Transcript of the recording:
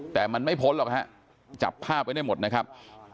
แต่มันไม่พ้นหรอกฮะจับภาพไว้ได้หมดนะครับ